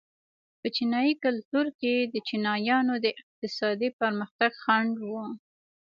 په چینايي کلتور کې د چینایانو د اقتصادي پرمختګ خنډ و.